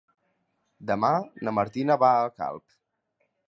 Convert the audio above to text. Demà na Martina va a Calp.